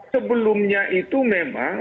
sebelumnya itu memang